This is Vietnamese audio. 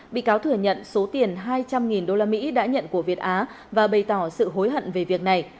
bị cáo thừa nhận số tiền hai trăm linh usd đã nhận của việt á và bày tỏ sự hối hận về việc này